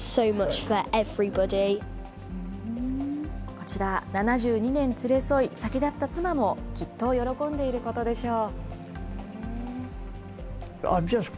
こちら、７２年連れ添い、先立った妻もきっと喜んでいることでしょう。